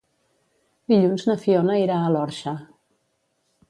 Dilluns na Fiona irà a l'Orxa.